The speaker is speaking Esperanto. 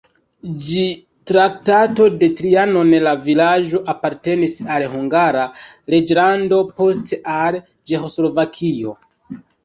Ĝis Traktato de Trianon la vilaĝo apartenis al Hungara reĝlando, poste al Ĉeĥoslovakio.